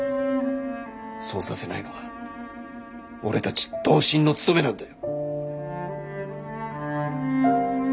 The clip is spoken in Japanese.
そうさせないのが俺たち同心の務めなんだよ。